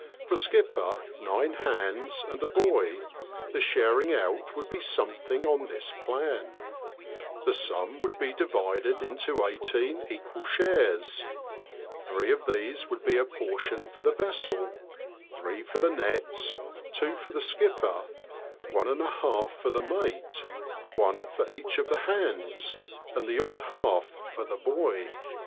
For skipper, nine hands, and a boy, the sharing out would be something on this plan: The sum would be divided into eighteen equal shares ; three of these would be apportioned for the vessel, three for the nets, two for the skipper, one and a half for the mate, one for each of the hands, and the odd half for the boy.